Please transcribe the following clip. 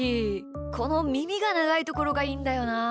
このみみがながいところがいいんだよな。